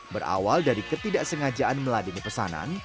berawal dari ketidaksengajaan melani pesanan